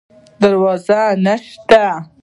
دروازه نشته